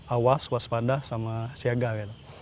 awas waspada sama siaga gitu